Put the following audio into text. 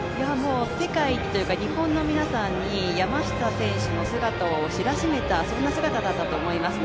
世界にというか日本の皆さんに山下選手の姿を知らしめたそんな姿だったと思いますね。